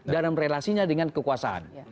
dalam relasinya dengan kekuasaan